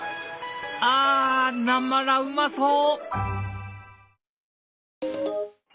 あなまらうまそう！